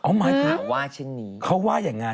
อ๋อหมายถึงเขาว่าอย่างนั้น